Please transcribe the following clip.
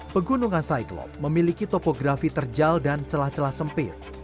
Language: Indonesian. pegunungan saiklop memiliki topografi terjal dan celah celah sempit